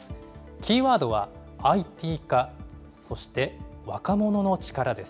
キーワードはＩＴ化、そして若者の力です。